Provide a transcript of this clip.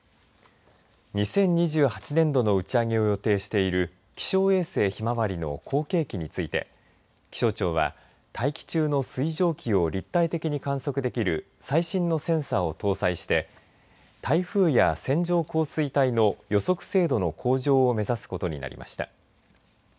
２０２８年度の打ち上げを予定している気象衛星ひまわりの後継機について気象庁は大気中の水蒸気を立体的に観測できる最新のセンサーを搭載して台風や線状降水帯の予測精度の向上を目指すことになりました。